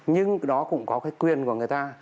nhưng đó cũng có cái quyền của người ta